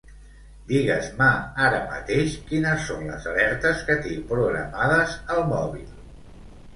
Digues-me ara mateix quines són les alertes que tinc programades al mòbil.